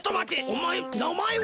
おまえなまえは？